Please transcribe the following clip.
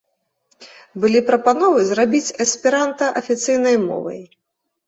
Былі прапановы зрабіць эсперанта афіцыйнай мовай.